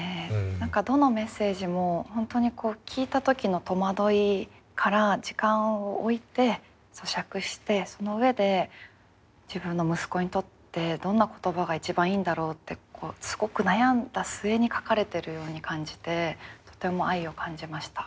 何かどのメッセージも本当にこう聞いた時の戸惑いから時間を置いてそしゃくしてその上で自分の息子にとってどんな言葉が一番いいんだろうってすごく悩んだ末に書かれてるように感じてとても愛を感じました。